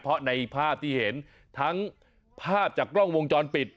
เพราะในภาพที่เห็นทั้งภาพจากกล้องวงจรปิด